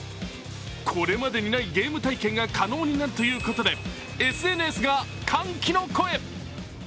これまでにないゲーム体験が可能になるということでＳＮＳが歓喜の声。